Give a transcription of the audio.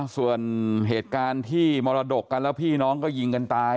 ส่วนเหตุการณ์ที่มรดกกันแล้วพี่น้องก็ยิงกันตาย